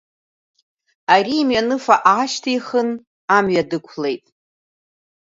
Ари имҩаныфа аашьҭихын амҩа дықәлеит.